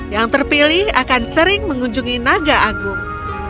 yang terpilih akan sering mengunjungi naga agung